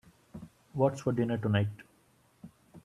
What's for dinner tonight?